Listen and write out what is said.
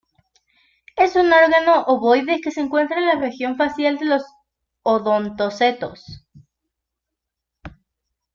Es un órgano ovoide que se encuentra en la región facial de los odontocetos.